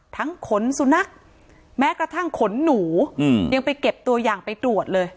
ขนสุนัขแม้กระทั่งขนหนูยังไปเก็บตัวอย่างไปตรวจเลย